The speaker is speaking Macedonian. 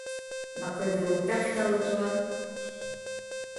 На кој би му текнало тоа?